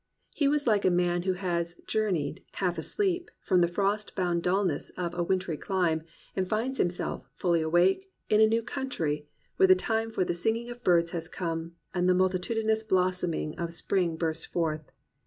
He was like a man who has journeyed, half asleep, from the frost bound dulness of a wintry clime, and finds himself, fully awake, in a new country, where the time for the singing of birds has come, and the mul titudinous blossoming of spring bursts forth.